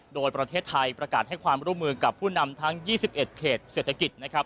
โดยประเทศไทยประกาศให้ความร่วมมือกับผู้นำทั้ง๒๑เขตเศรษฐกิจนะครับ